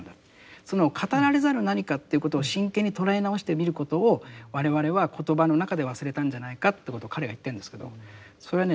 その語られざる何かということを真剣に捉え直してみることを我々は言葉の中で忘れたんじゃないかということを彼が言ってるんですけどそれはね